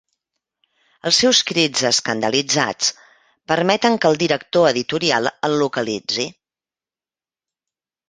Els seus crits escandalitzats permeten que el director editorial el localitzi.